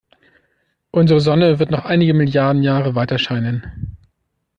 Unsere Sonne wird noch einige Milliarden Jahre weiterscheinen.